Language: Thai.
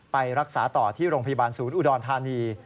ไปรักษาต่อที่โรงพยาบาลศูนย์อุดรธานี